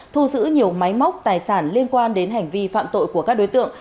thu giữ nhiều máy móc tài sản liên quan đến hành vi phạm tội của các đối tượng